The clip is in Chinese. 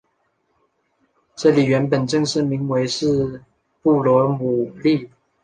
这里原本正式名称是布罗姆利。